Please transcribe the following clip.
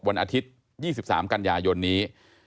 วันอาทิตย์๒๓กันยายนนี้